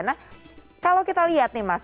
nah kalau kita lihat nih mas